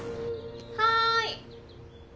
はい。